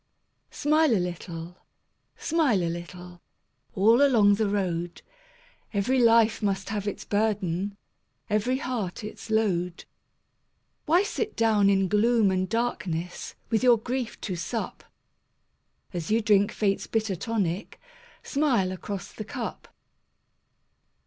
Smile a little, smile a little, All along the road; Every life must have its burden, Every heart its load. Why sit down in gloom and darkness With your grief to sup? As you drink Fate's bitter tonic, Smile across the cup.